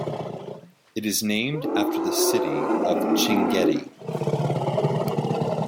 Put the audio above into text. It is named after the city of Chinguetti.